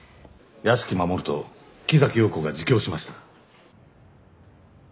屋敷マモルと木崎陽子が自供しました。